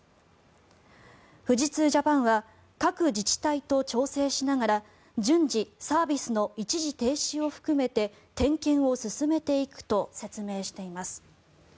富士通Ｊａｐａｎは各自治体とと調整しながら順次サービスの一時停止を含めて点検を進めていくと説明しています。